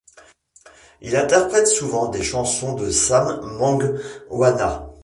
Il interprète souvent des chansons de Sam Mangwana.